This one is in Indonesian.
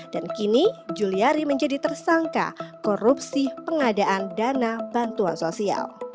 dan kini juliari menjadi tersangka korupsi pengadaan dana bantuan sosial